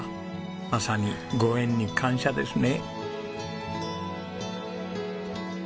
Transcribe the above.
まさにご縁に感謝ですね。